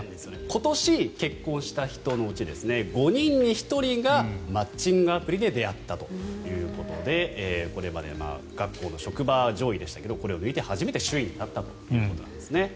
今年結婚した人のうち５人に１人がマッチングアプリで出会ったということでこれまで学校、職場が上位でしたがこれを抜いて初めて首位になったということなんです。